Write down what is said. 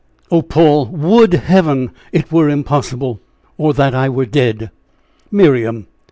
"Oh, Paul! would Heaven it were impossible! or that I were dead." "Miriam!